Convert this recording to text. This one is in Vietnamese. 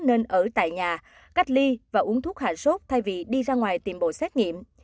nên ở tại nhà cách ly và uống thuốc hạ sốt thay vì đi ra ngoài tìm bộ xét nghiệm